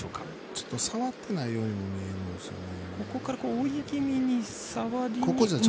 ちょっと触ってないようにも見えますよね。